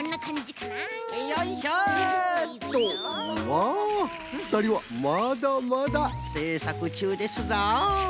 わあふたりはまだまだせいさくちゅうですぞ。